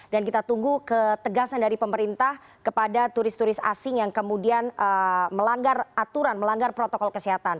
dan kita tunggu ketegasan dari pemerintah kepada turis turis asing yang kemudian melanggar aturan melanggar protokol kesehatan